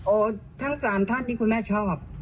ทั้ง๓ท่านที่คุณแม่ชอบ